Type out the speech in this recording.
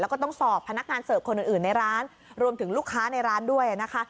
แล้วก็ต้องสอบพนักงานเสิร์ฟคนอื่นในร้านรวมถึงลูกค้าในร้านด้วยนะคะ